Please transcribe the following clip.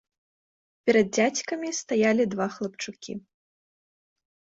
Перад дзядзькамі стаялі два хлапчукі.